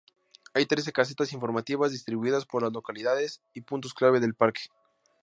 Hay trece casetas informativas distribuidas por las localidades y puntos clave del parque.